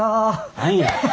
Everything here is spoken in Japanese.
何や。